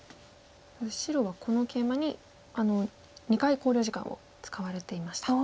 白はこのケイマに２回考慮時間を使われていました。